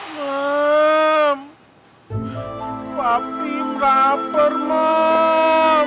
ya udah pak